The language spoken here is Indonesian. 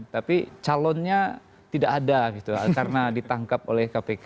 tapi calonnya tidak ada gitu karena ditangkap oleh kpk